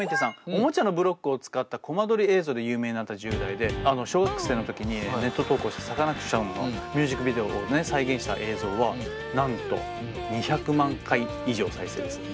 おもちゃのブロックを使ったコマ撮り映像で有名になった１０代で小学生の時にネット投稿したサカナクションのミュージックビデオを再現した映像はなんと２００万回以上再生ですよ。